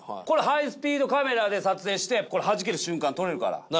これハイスピードカメラで撮影して弾ける瞬間撮れるから。